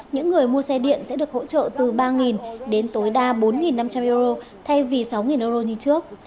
những người mua xe điện sẽ được hỗ trợ từ ba đến tối đa bốn năm trăm linh euro thay vì sáu euro như trước